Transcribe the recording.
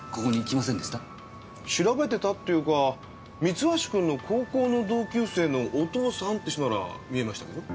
調べてたっていうか三橋くんの高校の同級生のお父さんって人ならみえましたけど？